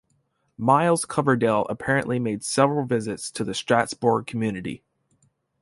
Myles Coverdale apparently made several visits to the Strasbourg community.